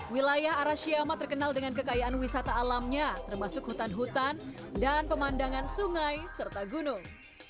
wilayah arashiyama terkenal dengan kekayaan wisata alamnya termasuk hutan hutan dan pemandangan sungai serta gunung